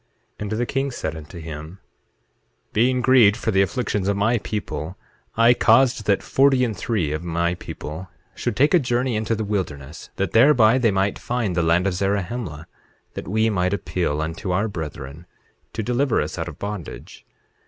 8:7 And the king said unto him: Being grieved for the afflictions of my people, I caused that forty and three of my people should take a journey into the wilderness, that thereby they might find the land of Zarahemla, that we might appeal unto our brethren to deliver us out of bondage.